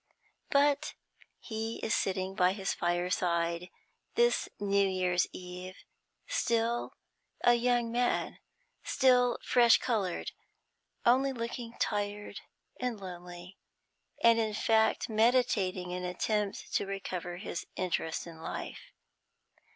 But he is sitting by his fireside this New Year's Eve, still a young man, still fresh coloured, only looking tired and lonely, and, in fact, meditating an attempt to recover his interest in life.